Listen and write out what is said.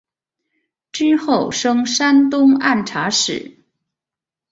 之后升山东按察使。